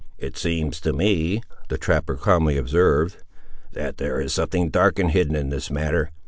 "It seems to me," the trapper calmly observed, "that there is something dark and hidden in this matter.